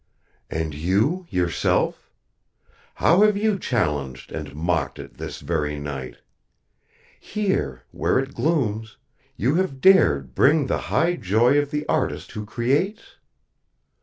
"And you yourself? How have you challenged and mocked It this very night? Here, where It glooms, you have dared bring the high joy of the artist who creates?